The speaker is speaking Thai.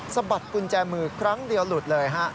สะบัดกุญแจมือครั้งเดียวหลุดเลยฮะ